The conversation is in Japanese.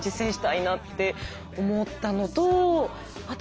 あと